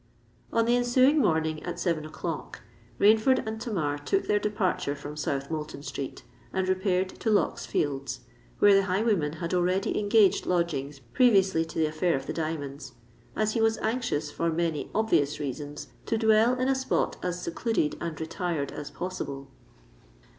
On the ensuing morning, at seven o'clock, Rainford and Tamar took their departure from South Moulton Street, and repaired to Lock's Fields, where the highwayman had already engaged lodgings previously to the affair of the diamonds, as he was anxious, for many obvious reasons, to dwell in a spot as secluded and retired as possible.